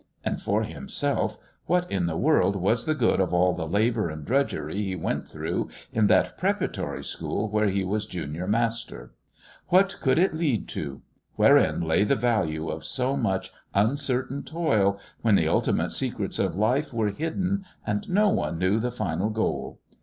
And for himself, what in the world was the good of all the labour and drudgery he went through in that preparatory school where he was junior master? What could it lead to? Wherein lay the value of so much uncertain toil, when the ultimate secrets of life were hidden and no one knew the final goal?